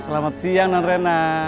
selamat siang non rena